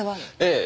ええ。